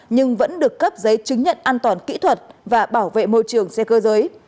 nhưng vẫn được cấp giấy chứng nhận an toàn kỹ thuật và bảo vệ môi trường xe cơ giới